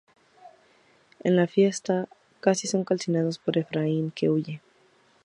En la fiesta casi son calcinados por Efraín, que huye.